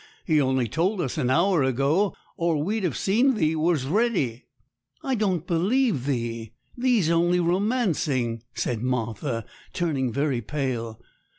He only told us an hour ago, or we'd have seen thee was ready.' 'I don't believe thee; thee's only romancing,' said Martha, turning very pale.